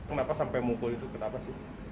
kenapa sampai mukul itu kenapa sih